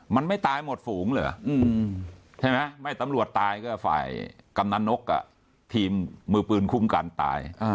มันไม่ตายหมดฝูงเหรอใช่ไหมไม่ตำรวจตายก็ฝ่ายกำนันนกทีมมือปืนคุ้มกันตาย